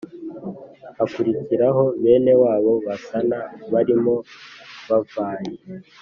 Hakurikiraho bene wabo basana barimo Bavayi